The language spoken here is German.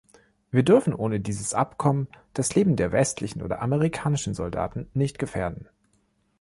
Wir dürfen ohne dieses Abkommen das Leben der westlichen oder amerikanischen Soldaten nicht gefährden.